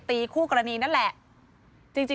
โปรดติดตามต่อไป